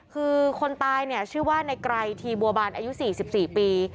คือคนตายเนี่ยชื่อว่าในไกรทีบัวบานอายุ๔๔ปี